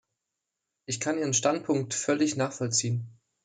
Ich kann ihren Standpunkt völlig nachvollziehen.